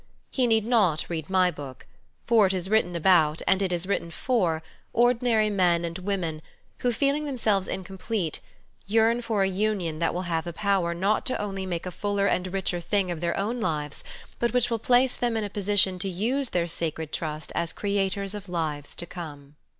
He need not read my book, for it is written about, and it is written for, ordinary men and women who, feeling themselves incomplete, yearn for a union that will have power not only to make a ftiller and richer thing of their own lives, but which will place them in a position to use their sacred trust as creators of lives to come.